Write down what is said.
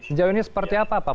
sejauh ini seperti apa pak